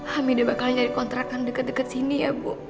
hamidah bakal nyari kontrakan deket deket sini ya bu